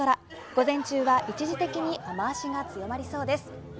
午前中は一時的に雨脚が強まりそうです。